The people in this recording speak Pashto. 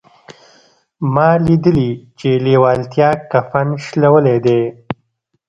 ما ليدلي چې لېوالتیا کفن شلولی دی.